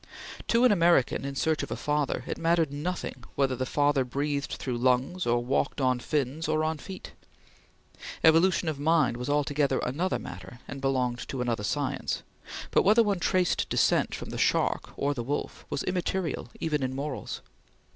To an American in search of a father, it mattered nothing whether the father breathed through lungs, or walked on fins, or on feet. Evolution of mind was altogether another matter and belonged to another science, but whether one traced descent from the shark or the wolf was immaterial even in morals.